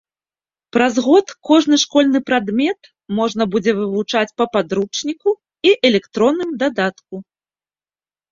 Праз год кожны школьны прадмет можна будзе вывучаць па падручніку і электронным дадатку.